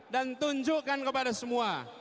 dan tunjukkan kepada semua